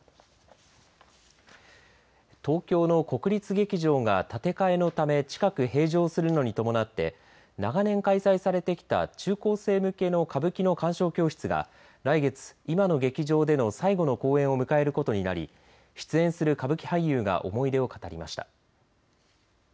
東京の国立劇場が建て替えのため近く閉場するのに伴って長年開催されてきた中高生向けの歌舞伎の鑑賞教室が来月、今の劇場での最後の公演を迎えることになり出演する歌舞伎俳優が思い出を語りました。